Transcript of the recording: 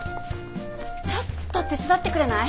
ちょっと手伝ってくれない？